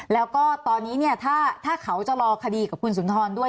แล้วก็ตอนนี้เนี่ยถ้าเขาจะรอคดีกับคุณสุนทรด้วย